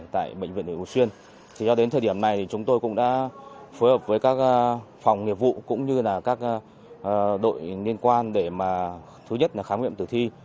thì cho đến thời điểm này thì chúng tôi cũng đã phối hợp với các phòng nghiệp vụ cũng như là các đội liên quan để mà thứ nhất là khám nghiệm tử thi